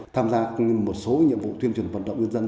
tham gia một số nhiệm vụ tuyên truyền vận động nhân dân